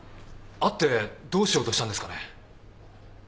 会ってどうしようとしたんですかね？